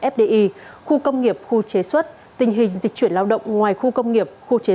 fdi khu công nghiệp khu chế xuất tình hình dịch chuyển lao động ngoài khu công nghiệp khu chế